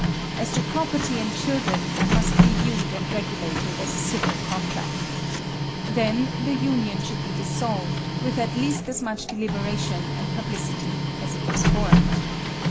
As to property and children, it must be viewed and regulated as a civil contract. Then the union should be dissolved with at least as much deliberation and publicity as it was formed.